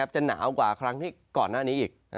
จะหนาวกว่าครั้งที่ก่อนหน้านี้อีก